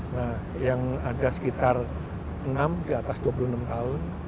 nah yang ada sekitar enam di atas dua puluh enam tahun